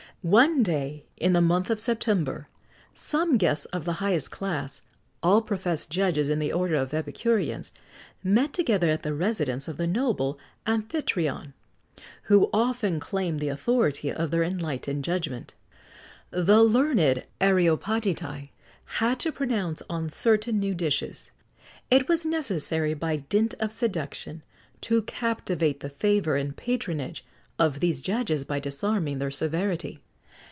One day, in the month of September, some guests of the highest class, all professed judges in the order of epicureans, met together at the residence of the noble Amphitryon, who often claimed the authority of their enlightened judgment. The learned Areopagitæ had to pronounce on certain new dishes: it was necessary, by dint of seduction, to captivate the favour and patronage of these judges by disarming their severity.